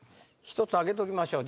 １つ開けときましょう。